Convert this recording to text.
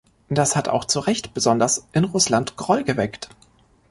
Das hat auch zurecht besonders in Russland Groll geweckt.